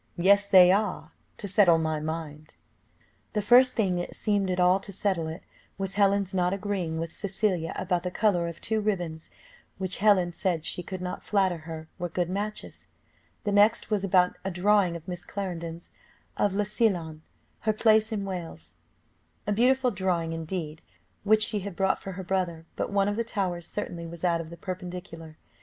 "Yes they are, to settle my mind." The first thing that seemed at all to settle it was Helen's not agreeing with Cecilia about the colour of two ribands which Helen said she could not flatter her were good matches. The next was about a drawing of Miss Clarendon's, of Llansillan, her place in Wales; a beautiful drawing indeed, which she had brought for her brother, but one of the towers certainly was out of the perpendicular.